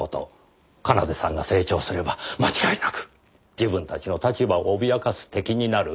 奏さんが成長すれば間違いなく自分たちの立場を脅かす敵になる。